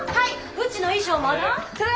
ウチの衣装まだ？